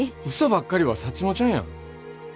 うそばっかりはサッチモちゃんやん。